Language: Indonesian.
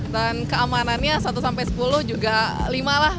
dan keamanannya satu sampai sepuluh juga lima lah